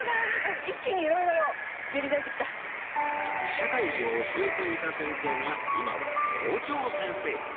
社会を教えていた先生が今は校長先生に